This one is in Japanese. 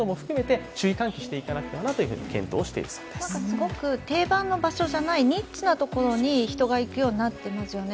すごく定番の場所じゃないニッチな場所に人が行くようになっていますよね。